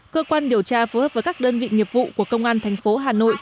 cơ quan điều tra phối hợp với các đơn vị nghiệp vụ của công an thành phố hà nội